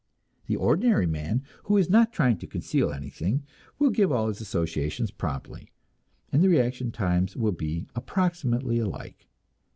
The ordinary man, who is not trying to conceal anything, will give all his associations promptly, and the reaction times will be approximately alike.